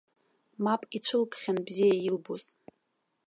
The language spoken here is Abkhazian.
Мап ицәылкхьан бзиа илбоз.